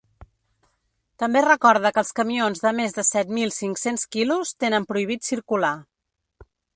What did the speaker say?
També recorda que els camions de més de set mil cinc-cents quilos tenen prohibit circular.